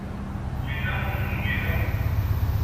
Yella ujenwi da.